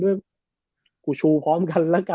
อเจมส์โดยให้ชูปลอมกันค่ะ